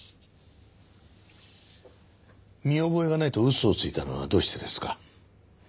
見覚えがないと嘘をついたのはどうしてですか？